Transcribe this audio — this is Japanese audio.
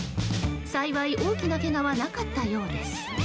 幸い、大きなけがはなかったようです。